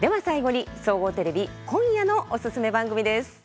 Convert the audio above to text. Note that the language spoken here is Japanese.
最後に総合テレビ今夜のおすすめ番組です。